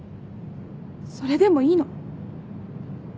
それでもいいの。